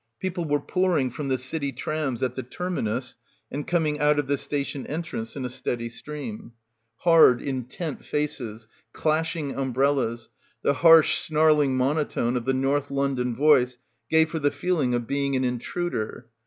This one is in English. People were pouring from the city trams at the terminus and coming out of the station entrance in a steady stream. Hard intent faces, clashing umbrellas, the harsh snarl ing monotone of the North London voice gave her the feeling of being an intruder.